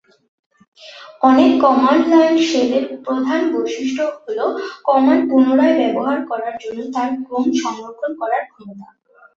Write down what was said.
অনেক command line শেলের প্রধান বৈশিষ্ট্য হল কমান্ড পুনরায় ব্যবহার করার জন্য তার ক্রম সংরক্ষণ করার ক্ষমতা।